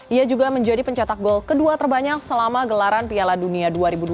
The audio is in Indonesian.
ia juga menjadi pencetak gol kedua terbanyak selama gelaran piala dunia dua ribu dua puluh